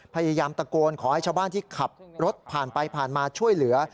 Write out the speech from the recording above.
พยายามตะโกนขอให้ชาวบ้านที่ขับรถผ่านไปผ่านมาช่วยเหลือ